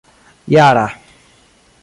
jara